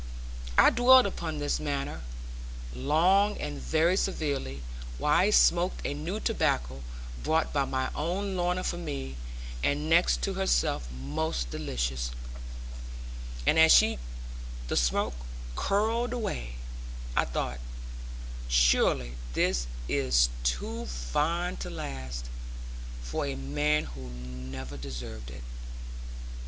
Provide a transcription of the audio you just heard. I dwelled upon this matter, long and very severely, while I smoked a new tobacco, brought by my own Lorna for me, and next to herself most delicious; and as the smoke curled away, I thought, 'Surely this is too fine to last, for a man who never deserved it.'